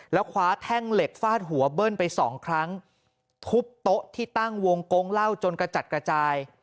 แล้วคว้าแท่งเหล็กฟาดหัวเบิ้ลไปสองครั้งทุบโต๊ะที่ตั้งวงกงเหล้าจนกระจัดกระจาย